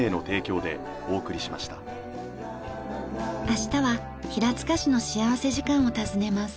明日は平塚市の幸福時間を訪ねます。